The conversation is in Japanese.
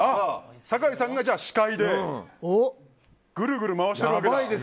酒井さんが司会でぐるぐる回してるわけだ。